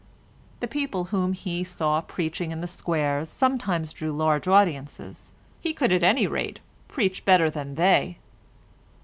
The people whom he saw preaching in the squares sometimes drew large audiences. He could at any rate preach better than they.